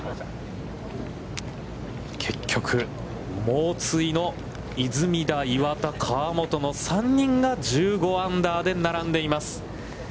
結局、猛追の出水田、岩田、河本の３人が１５アンダーで並んでいます。